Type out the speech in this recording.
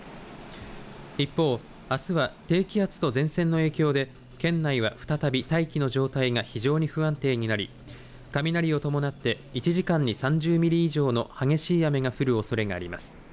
一方、あすは低気圧と前線の影響で、県内は再び大気の状態が非常に不安定になり雷を伴って１時間に３０ミリ以上の激しい雨が降るおそれがあります。